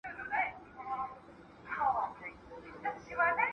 نوي نسل ته بايد سم لوري ورکړل سي.